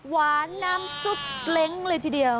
หวานน้ำซุปเล้งเลยทีเดียว